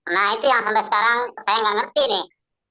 nah itu yang sampai sekarang saya tidak mengerti nih